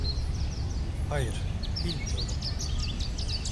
Hayır, bilmiyorum.